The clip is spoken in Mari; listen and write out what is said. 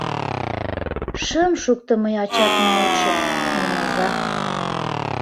Шым шукто мый ачатын мутшым, Меҥыза.